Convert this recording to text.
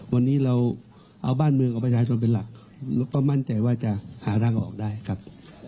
วันนี้เราเอาบ้านเมืองเอาประชาชนเป็นหลักแล้วก็มั่นใจว่าจะหาทางออกได้ครับ